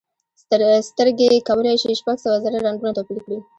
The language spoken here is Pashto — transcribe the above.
سترګې کولی شي شپږ سوه زره رنګونه توپیر کړي.